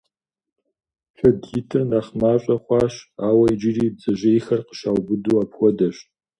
Шэд итыр нэхъ мащӀэ хъуащ, ауэ иджыри бдзэжьейхэр къыщаубыду апхуэдэщ.